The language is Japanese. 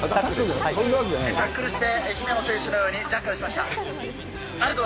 タックルして姫野選手のようにジャッカルしました。